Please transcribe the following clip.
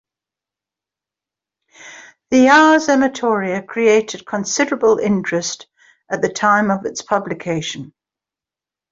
The "Ars Amatoria" created considerable interest at the time of its publication.